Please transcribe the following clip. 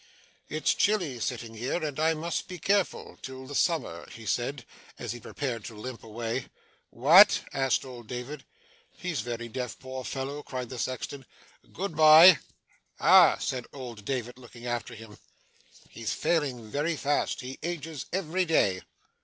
'It's chilly, sitting here, and I must be careful till the summer,' he said, as he prepared to limp away. 'What?' asked old David. 'He's very deaf, poor fellow!' cried the sexton. 'Good bye!' 'Ah!' said old David, looking after him. 'He's failing very fast. He ages every day.